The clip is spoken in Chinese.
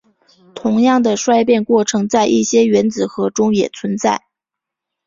同样的衰变过程在一些原子核中也存在。